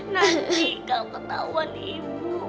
nanti kau ketahuan ibu